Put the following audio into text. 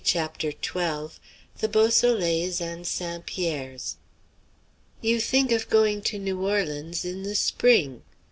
CHAPTER XII. THE BEAUSOLEILS AND ST. PIERRES. You think of going to New Orleans in the spring.